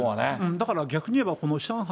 だから逆にいえば、上海